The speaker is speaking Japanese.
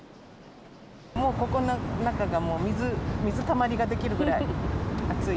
もうここの中が、水、水たまりが出来るくらい、暑い。